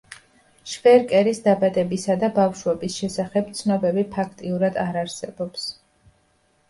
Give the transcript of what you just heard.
შვერკერის დაბადებისა და ბავშვობის შესახებ ცნობები ფაქტიურად არ არსებობს.